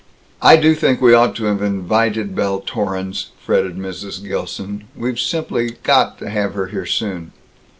"I do think we ought to have invited Belle Torrens," fretted Mrs. Gilson. "We've simply got to have her here soon."